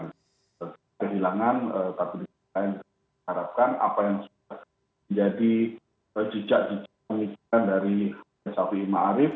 itu yang kita kehilangan tapi kita harapkan apa yang sudah menjadi jejak jejak pemikiran dari buya syafi'i ma'arif